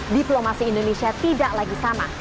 diplomasi indonesia tidak lagi sama